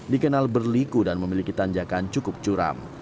dikenal berliku dan memiliki tanjakan cukup curam